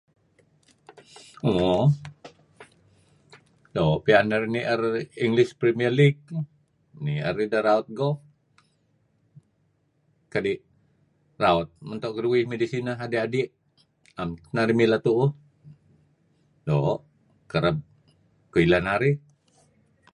Oh doo' piyan narih nier English Premier League. Nier ideh raut Golf kadi' raut mento' narih midih sinah adi'-adi'. Am tun tah narih mileh tuuh doo' kereb kuh ilah narih.